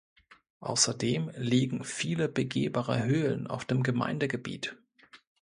Außerdem liegen viele begehbare Höhlen auf dem Gemeindegebiet.